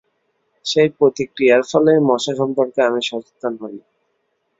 সেই প্রতিক্রিয়ার ফলেই মশা-সম্পর্কে আমি সচেতন হই।